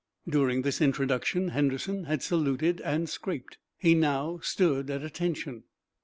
During this introduction Henderson had saluted and scraped. He now stood at attention.